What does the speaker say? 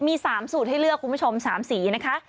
มี๓สูตรให้เลือกคุณผู้ชม๓สีนะคะ